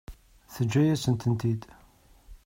Teǧǧa-yasent-tent-id.